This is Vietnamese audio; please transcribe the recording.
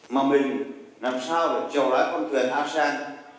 mà mình làm sao để trở lại con thuyền asean